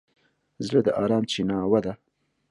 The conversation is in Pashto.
زړه د ارام چیناوه ده.